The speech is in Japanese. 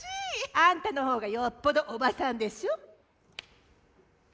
あんたのほうがよっぽどおばさんでしょ。